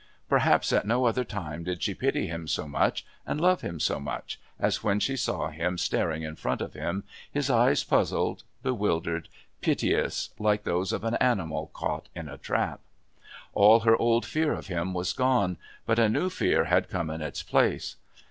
Perhaps at no other time did she pity him so much, and love him so much, as when she saw him staring in front of him, his eyes puzzled, bewildered, piteous, like those of an animal caught in a trap. All her old fear of him was gone, but a new fear had come in its place.